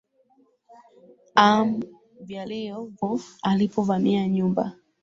aam nyalivo alipo vamia nyumba